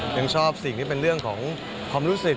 ยังชอบสิ่งที่เป็นเรื่องของความรู้สึก